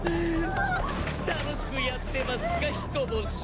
楽しくやってますかヒコボシ！